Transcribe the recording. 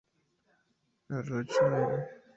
La Roche-Noire